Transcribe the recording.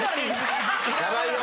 やばいよ。